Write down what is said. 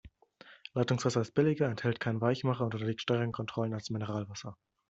Leitungswasser ist billiger, enthält keinen Weichmacher und unterliegt strengeren Kontrollen als Mineralwasser.